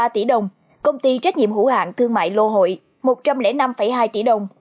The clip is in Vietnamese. một trăm một mươi ba tỷ đồng công ty trách nhiệm hữu hạng thương mại lô hội một trăm linh năm hai tỷ đồng